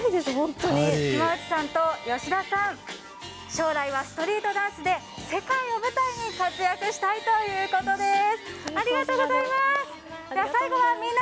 嶋内さんと吉田さん、将来はストリートダンスで世界を舞台に活躍したいということです。